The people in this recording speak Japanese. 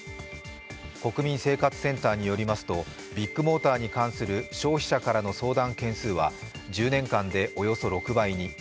国民生活センターによりますとビッグモーターに関する消費者からの相談件数は１０年間でおよそ６倍に。